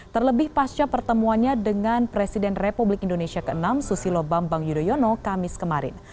terlebih pasca pertemuannya dengan presiden republik indonesia ke enam susilo bambang yudhoyono kamis kemarin